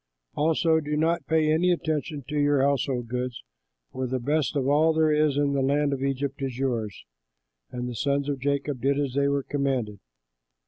Also do not pay any attention to your household goods, for the best of all there is in the land of Egypt is yours.'" And the sons of Jacob did as they were commanded.